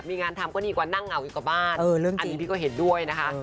มีงานทำก็ดีกว่านั่งเหงาอยู่กับบ้านอันนี้พี่ก็เห็นด้วยนะคะ